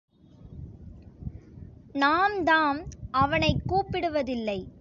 நாம்தாம் அவனைக் கூப்பிடுவதில்லை.